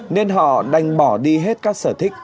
nên họ đành bỏ đi hết các sở thích